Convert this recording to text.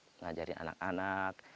kita sudah mengajari anak anak